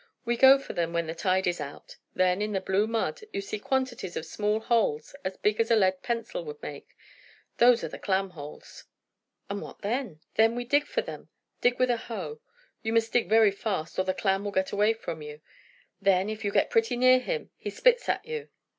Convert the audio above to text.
We go for them when the tide is out. Then, in the blue mud you see quantities of small holes as big as a lead pencil would make; those are the clam holes." "And what then?" "Then we dig for them; dig with a hoe; and you must dig very fast, or the clam will get away from you. Then, if you get pretty near him he spits at you."